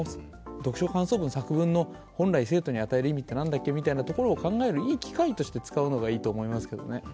読書感想文、作文の、本来生徒に与える意味ってなんだっけみたいに考えるいい機会として使うのがいいと思いますけどね。